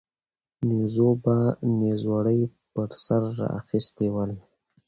نيزو به نيزوړي پر سر را اخيستي ول